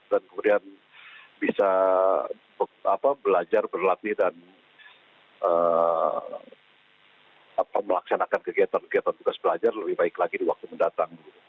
dan kemudian bisa belajar berlatih dan melaksanakan kegiatan kegiatan tugas belajar lebih baik lagi di waktu mendatang